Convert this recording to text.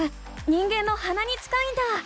人間のはなに近いんだ！